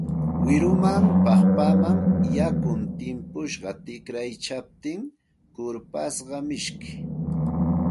Wirumanta, paqpamanta yakun timpusqa tikayaptin kurpasqa miski